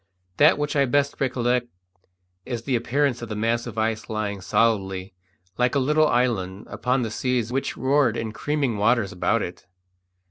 That which I best recollect is the appearance of the mass of ice lying solidly, like a little island, upon the seas which roared in creaming waters about it.